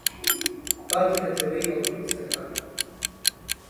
پارکی نەتەوەییی هەڵگورد سەکران